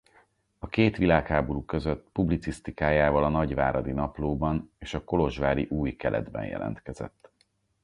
A két világháború között publicisztikájával a Nagyváradi Naplóban és a kolozsvári Új Keletben jelentkezett.